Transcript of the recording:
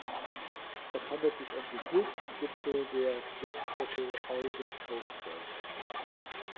Es handelt sich um den höchsten Gipfel der Gebirgskette Oregon Coast Range.